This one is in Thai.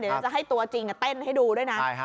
เดี๋ยวจะให้ตัวจริงเต้นให้ดูด้วยนะ